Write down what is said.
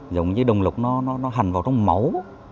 giống như đồng lộc nó hằn vào trong máu